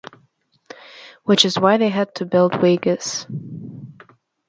Which is why they had to build Vegas.